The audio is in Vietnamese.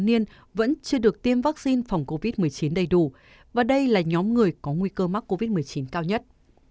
niên vẫn chưa được tiêm vaccine phòng covid một mươi chín đầy đủ và đây là nhóm người có nguy cơ mắc covid một mươi chín cao nhất